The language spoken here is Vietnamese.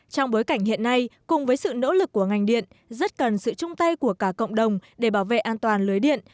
trong bối cảnh hiện nay cùng với sự nỗ lực của ngành điện rất cần sự chung tay của cả cộng đồng để bảo vệ an toàn lưới điện